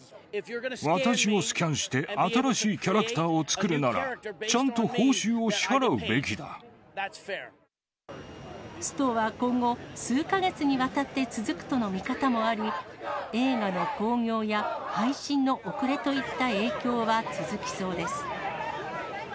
私をスキャンして新しいキャラクターを作るなら、ストは今後、数か月にわたって続くとの見方もあり、映画の興行や配信の遅れといった影響は続きそうです。